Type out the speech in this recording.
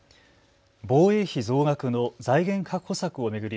防衛費増額の財源確保策を巡り